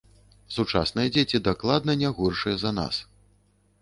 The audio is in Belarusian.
Сучасныя дзеці дакладна не горшыя за нас.